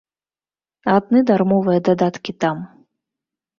Адны дармовыя дадаткі там.